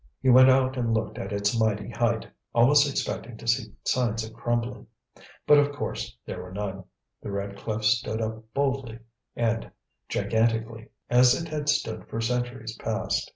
He went out and looked at its mighty height, almost expecting to see signs of crumbling. But, of course, there were none. The red cliff stood up boldly and gigantically, as it had stood for centuries past.